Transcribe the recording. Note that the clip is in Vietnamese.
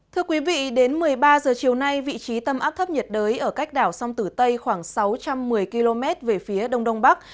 thưa quý vị đến một mươi ba giờ chiều nay vị trí tâm áp thấp nhiệt đới ở cách đảo sông tử tây khoảng sáu trăm một mươi km về phía đông đông bắc